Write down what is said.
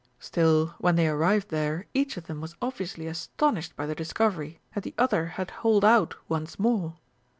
Still, when they arrived there each of them was obviously astonished by the discovery that the other had holed out once more.